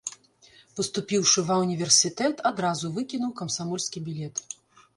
Паступіўшы ва ўніверсітэт, адразу выкінуў камсамольскі білет.